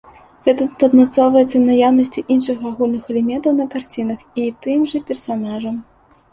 Гэта падмацоўваецца наяўнасцю іншых агульных элементаў на карцінах і тым жа персанажам.